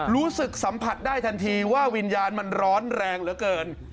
รู้สึกสัมผัสได้ทันทีว่าวิญญาณมันร้อนแรงเหลือเกิน